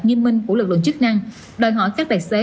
nghiêm minh của lực lượng chức năng đòi hỏi các đại sế